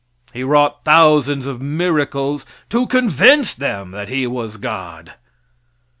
He wrought thousands of miracles to convince them that He was God.